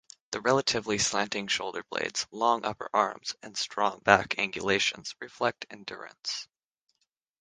The relatively slanting shoulder blades, long upper arms and strong back angulations reflect endurance.